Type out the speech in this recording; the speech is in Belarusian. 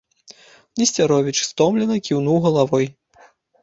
Несцяровіч стомлена кіўнуў галавой.